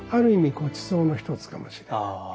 ごちそうの一つかもしれない。